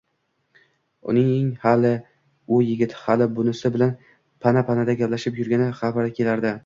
Uning hali u yigit, hali bunisi bilan pana-panada gaplashib yurgani xabari kelardi